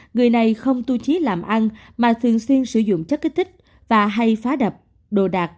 người này không tu trí làm ăn mà thường xuyên sử dụng chất kích thích và hay phá đập đồ đạc